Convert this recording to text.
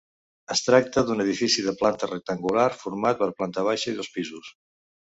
Es tracta d'un edifici de planta rectangular, format per planta baixa i dos pisos.